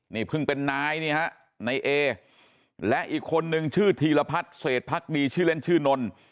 นี่พึ่งเป็นนายเนี่ยครับในเอและอีกคนนึงชื่อธีรพรรดิเสร็จพรรคดีชื่อเล่นชื่อนนล